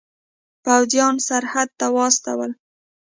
پوځیان سرحد ته واستول.